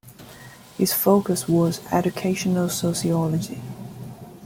His focus was educational sociology.